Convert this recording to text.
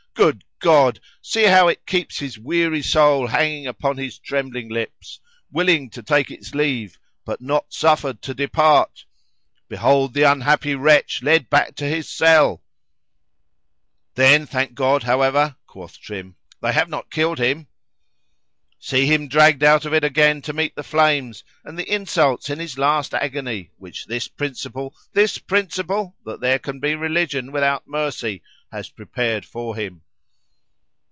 Good God! See how it keeps his weary soul hanging upon his trembling lips,—willing to take its leave,——but not suffered to depart!—Behold the unhappy wretch led back to his cell!"——[Then, thank God, however, quoth Trim, they have not killed him.]—"See him dragged out of it again to meet the flames, and the insults in his last agonies, which this principle,—this principle, that there can be religion without mercy, has prepared for him."